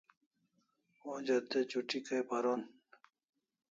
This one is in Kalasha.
Onja te chuti kai paron